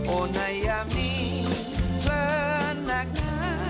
โอนายามนี้เพลินหนักหน้า